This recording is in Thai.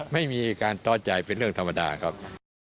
ไม่มีการต้อใจเป็นเรื่องธรรมดาครับ